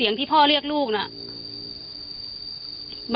ที่มีข่าวเรื่องน้องหายตัว